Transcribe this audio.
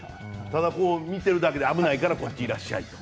ただ、見ているだけで危ないからこっちにいらっしゃいと。